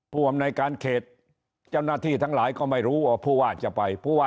พรวมในการเขตเจ้าหน้าที่ทั้งหลายก็ไม่รู้ว่าภูวะจะไป